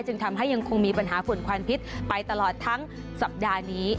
จึงทำให้ยังคงมีปัญหาฝุ่นควันพิษไปตลอดทั้งสัปดาห์นี้